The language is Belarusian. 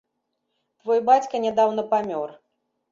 Твой бацька нядаўна памёр.